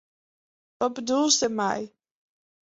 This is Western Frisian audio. Wat bedoelst dêrmei?